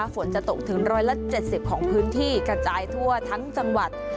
ฝนจะตกถึง๑๗๐ของพื้นที่กระจายทั่วทั้งจังหวัด